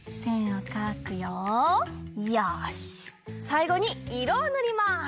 さいごにいろをぬります！